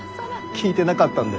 聞いてなかったんで。